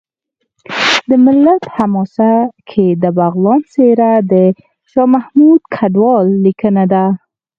د ملت حماسه کې د بغلان څېره د شاه محمود کډوال لیکنه ده